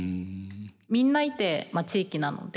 みんないて地域なので。